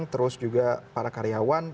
terus juga para karyawan